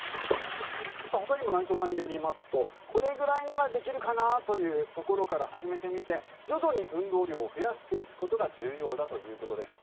ほかにも内藤さんによりますとこれぐらいならできるかなというところから始めてみて徐々に運動量を増やしていくことが重要だということです。